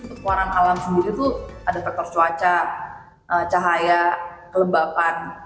untuk keluaran alam sendiri itu ada faktor cuaca cahaya kelembapan